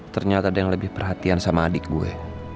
ternyata ada yang lebih perhatian sama adik gue